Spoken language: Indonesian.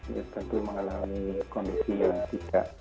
ya tentu mengalami kondisi yang tidak